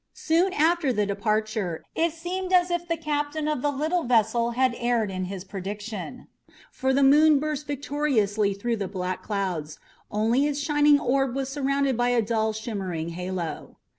Soon after the departure it seemed as if the captain of the little vessel had erred in his prediction, for the moon burst victoriously through the black clouds, only its shining orb was surrounded by a dull, glimmering halo.